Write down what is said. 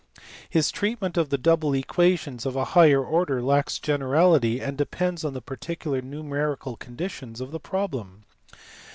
His treatment of " double equations " of a higher order lacks generality and depends on the particular numerical conditions of the problem.